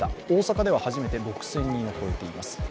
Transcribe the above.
大阪では初めて６０００人を超えています。